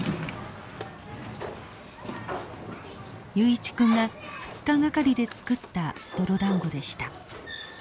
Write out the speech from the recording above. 雄一君が２日がかりで作った泥だんごでした。